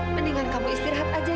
mendingan kamu istirahat aja